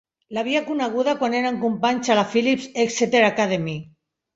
L'havia coneguda quan eren companys a la Phillips Exeter Academy.